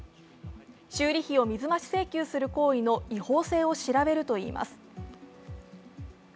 修理費を水増し請求する行為の違法性を調べるといいます。